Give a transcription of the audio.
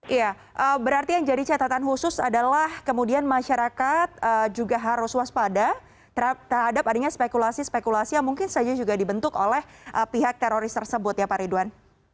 iya berarti yang jadi catatan khusus adalah kemudian masyarakat juga harus waspada terhadap adanya spekulasi spekulasi yang mungkin saja juga dibentuk oleh pihak teroris tersebut ya pak ridwan